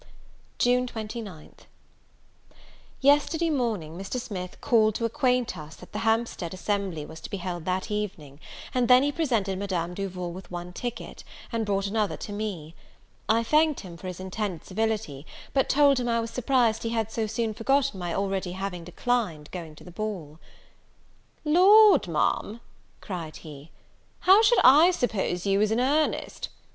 June 29th. Yesterday morning, Mr. Smith called to acquaint us that the Hampstead assembly was to be held that evening; and then he presented Madame Duval with one ticket, and brought another to me. I thanked him for his intended civility, but told him I was surprised he had so soon forgotten my having already declined going to the ball. "Lord, Ma'am," cried he, "how should I suppose you was in earnest?